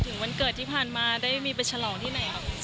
วันเกิดที่ผ่านมาได้มีไปฉลองที่ไหนครับ